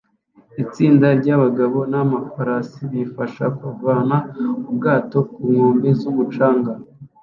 Itsinda ry'abagabo n'amafarasi bifasha kuvana ubwato ku nkombe z'umucanga